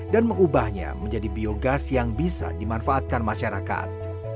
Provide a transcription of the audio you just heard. dan mengubahnya menjadi biogas yang bisa dimanfaatkan masyarakat